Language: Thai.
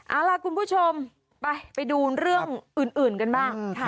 เอาล่ะคุณผู้ชมไปดูเรื่องอื่นกันบ้าง